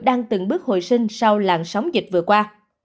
đang từng bước hồi sinh sau làn sóng dịch vừa qua